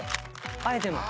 あえての。